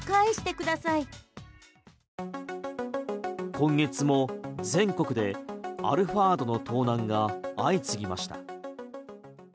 今月も全国でアルファードの盗難が相次ぎました。